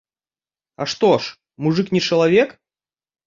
А што ж, мужык не чалавек?